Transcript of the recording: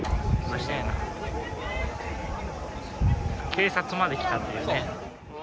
警察まで来たっていうね。